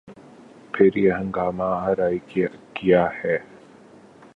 پھر یہ ہنگامہ آرائی کیا ہے؟